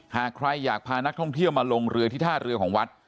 หากใครอยากพานักท่องเที่ยวมาลงเรือที่ท่าเรือของวัด